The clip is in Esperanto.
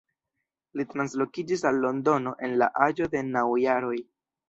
Li translokiĝis al Londono en la aĝo de naŭ jaroj.